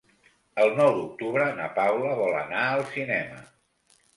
El nou d'octubre na Paula vol anar al cinema.